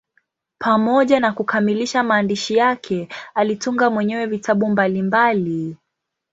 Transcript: Pamoja na kukamilisha maandishi yake, alitunga mwenyewe vitabu mbalimbali.